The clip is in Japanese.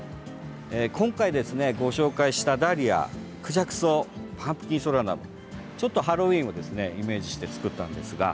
今回ご紹介したダリアクジャクソウパンプキンソラナムちょっとハロウィーンもイメージして作ったんですが。